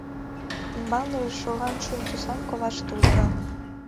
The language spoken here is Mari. Ӱмбалныже шоган шӱм тӱсан коваште ужга.